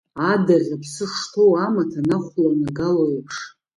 Адаӷь аԥсы шҭоу амаҭ инахәланагало еиԥш.